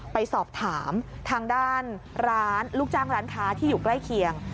ไปสอบถามทางด้านร้านลูกจ้างร้านค้าที่อยู่ใกล้เคียง